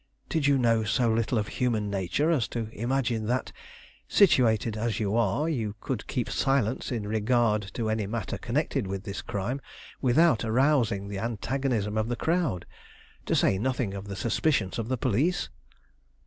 Did you know so little of human nature as to imagine that, situated as you are, you could keep silence in regard to any matter connected with this crime, without arousing the antagonism of the crowd, to say nothing of the suspicions of the police?"